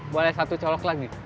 boleh satu colok lagi